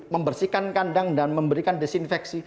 membersihkan kandang dan memberikan desinfeksi